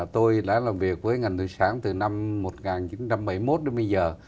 tôi đã làm việc với ngành thủy sản từ năm một nghìn chín trăm bảy mươi một đến bây giờ